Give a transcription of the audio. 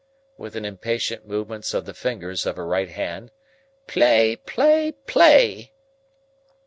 with an impatient movement of the fingers of her right hand; "play, play, play!"